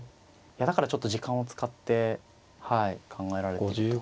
だからちょっと時間を使って考えられてると。